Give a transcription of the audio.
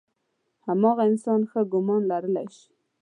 هماغه انسان ښه ګمان لرلی شي.